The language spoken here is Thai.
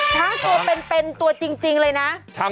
ช้างตัวเป็นตัวจริงเลยนะ